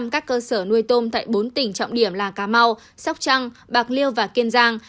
một trăm linh các cơ sở nuôi tôm tại bốn tỉnh trọng điểm là cà mau sóc trăng bạc liêu và kiên giang